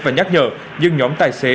và nhắc nhở nhưng nhóm tài xế